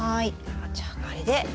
じゃあこれで土を。